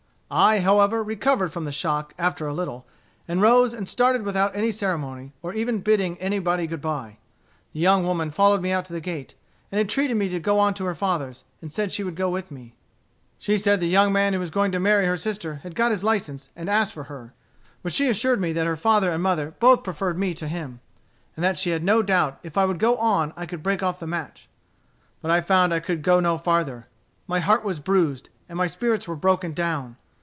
I however recovered from the shock after a little, and rose and started without any ceremony, or even bidding anybody good bye. The young woman followed me out to the gate, and entreated me to go on to her father's, and said she would go with me. "She said the young man who was going to marry her sister had got his license and asked for her. But she assured me that her father and mother both preferred me to him; and that she had no doubt that if I would go on I could break off the match. But I found that I could go no farther. My heart was bruised, and my spirits were broken down.